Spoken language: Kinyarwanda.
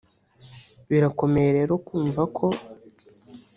Birakomeye lero kumva ko